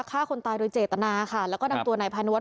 ฆ่าคนตายโดยเจตนาค่ะแล้วก็นำตัวนายพานุวัฒ